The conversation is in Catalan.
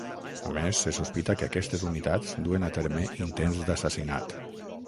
A més, se sospita que aquestes unitats duen a terme intents d'assassinat.